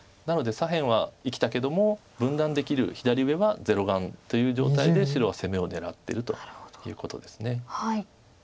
なので左辺は生きたけども分断できる左上は０眼という状態で白は攻めを狙ってるということです。